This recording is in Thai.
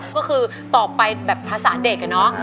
ก็คือตอบไปแบบภาษาเด็กอะเนาะ